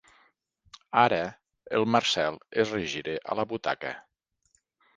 Ara el Marcel es regira a la butaca.